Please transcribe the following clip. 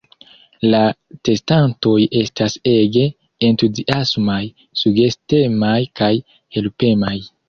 La testantoj estas ege entuziasmaj, sugestemaj kaj helpemaj.